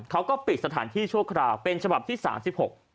เขาก็ปิดสถานที่ชั่วคราวเป็นฉบับที่๓๖